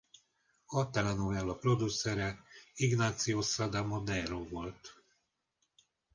A telenovella producere Ignacio Sada Madero volt.